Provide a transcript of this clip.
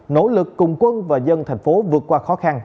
nỗ lực cùng quân và dân thành phố vượt qua khó khăn